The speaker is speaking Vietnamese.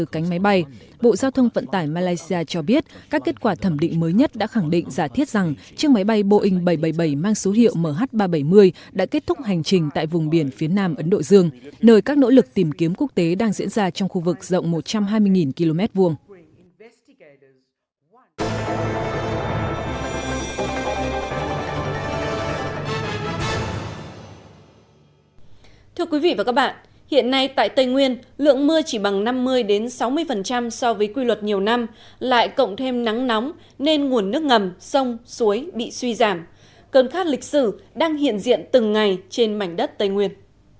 cơn khát lịch sử đang hiện diện từng ngày trên mảnh đất tây nguyên